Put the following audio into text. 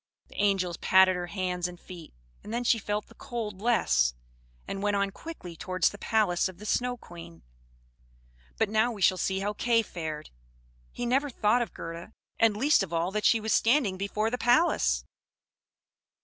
The angels patted her hands and feet; and then she felt the cold less, and went on quickly towards the palace of the Snow Queen. But now we shall see how Kay fared. He never thought of Gerda, and least of all that she was standing before the palace.